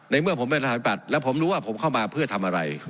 ในเมื่อผมไม่ได้สถานปรัชน์แล้วผมรู้ว่าผมเข้ามาเพื่อทำอะไร